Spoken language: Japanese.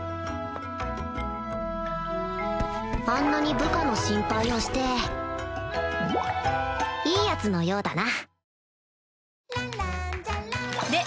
あんなに部下の心配をしていいヤツのようだな。